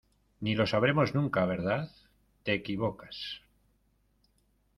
ni lo sabremos nunca, ¿ verdad? te equivocas